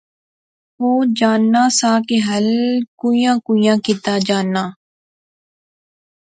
او جاننا سا کہ ہل کوئیاں کوئیاں کیتا جانا